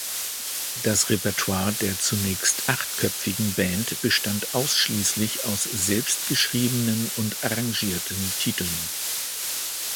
Das Repertoire der zunächst achtköpfigen Band bestand ausschließlich aus selbst geschriebenen und arrangierten Titeln.